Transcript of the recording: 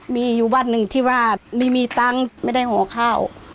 มีอยู่บ้านหนึ่งที่ว่าไม่มีตังค์ไม่ได้ห่อข้าว